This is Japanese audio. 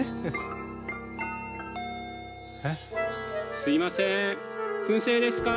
・すいません燻製ですか？